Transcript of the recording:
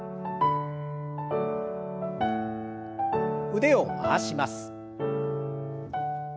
腕を回します。